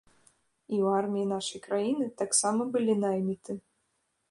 І ў арміі нашай краіны таксама былі найміты.